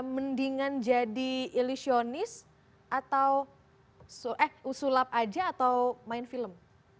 mendingan jadi ilusionis atau sulap aja atau main film